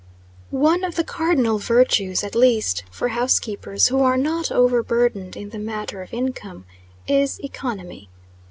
ONE of the cardinal virtues, at least for housekeepers who are not overburdened in the matter of income, is economy.